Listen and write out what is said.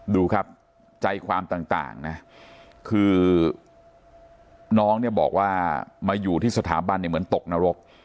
ดูครับใจความต่างนะคือน้องเนี่ยบอกว่ามาอยู่ที่สถาบันเนี่ยเหมือนตกนรก